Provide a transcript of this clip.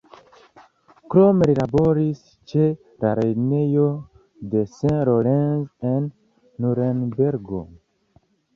Krome li laboris ĉe la lernejo de St. Lorenz en Nurenbergo.